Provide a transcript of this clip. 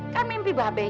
kan mimpi mbak be